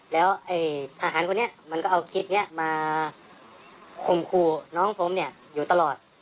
แล้วทหารคนนี้มันก็เอาคลิปนี้มาข่มขู่น้องผมเนี่ยอยู่ตลอด